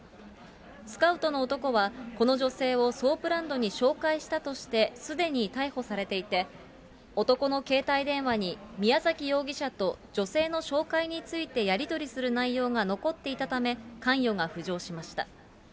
スカウトの男は、この女性をソープランドに紹介したとして、すでに逮捕されていて、男の携帯電話に宮崎容疑者と女性の紹介についてやり取りする内容が残っていたため、関与が浮上しました。